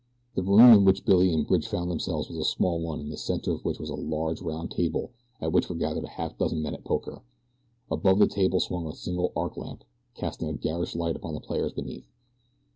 The room in which Billy and Bridge found themselves was a small one in the center of which was a large round table at which were gathered a half dozen men at poker. Above the table swung a single arc lamp, casting a garish light upon the players beneath.